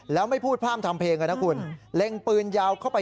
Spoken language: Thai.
แล้วไม่พูดพร่ามทำเพลงเลยนะคุณเล็งปืนยาวเข้าไป